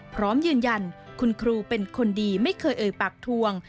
พร้อมยืนยันคุณครูเป็นคนดีไม่เคยเอ่ยปากทวง